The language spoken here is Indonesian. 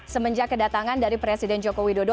semenjak kedatangan dari presiden joko widodo